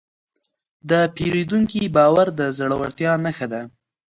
د پیرودونکي باور د زړورتیا نښه ده.